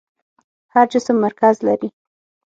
هر جسم مرکز لري.